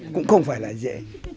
cũng không phải là dễ